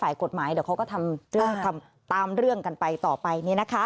ฝ่ายกฎหมายเดี๋ยวเขาก็ทำตามเรื่องกันไปต่อไป